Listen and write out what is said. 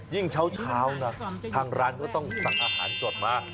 เช้านะทางร้านก็ต้องสั่งอาหารสดมา